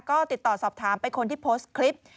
ก็ติดต่อสอบถามไปคนที่โพสต์คลิป